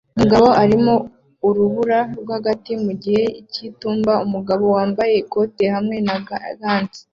Umugabo urimo urubura rwagati mu gihe cyitumba Umugabo wambaye ikoti hamwe na gants